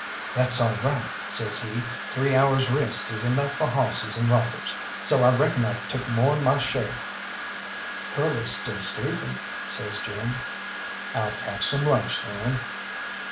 "That's all right," says he; "three hours' rest is enough for hawsses and robbers, so I reckon I've took more'n my share." "Curly's still sleeping," says Jim. "I'll catch some lunch, then."